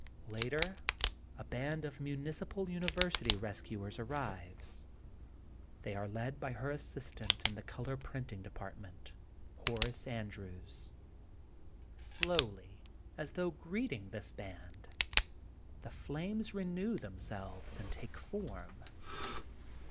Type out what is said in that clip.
Later a band of Municipal University rescuers ar rives. They are led by her assistant in the color printing department, Horace Andrews. Slowly as though greeting this band the flames renew themselves, and take form.